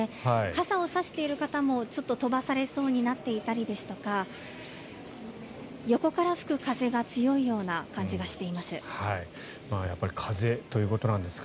傘を差している方もちょっと飛ばされそうになっていたりですとか横から吹く風が強いような感じがしています。